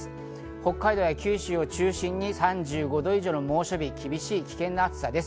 北海道や九州を中心に３５度以上の猛暑日と危険な暑さです。